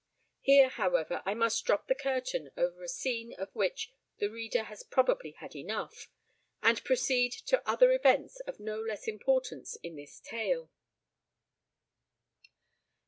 Here, however, I must drop the curtain over a scene of which the reader has probably had enough, and proceed to other events of no less importance in this tale.